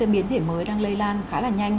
biến thể mới đang lây lan khá là nhanh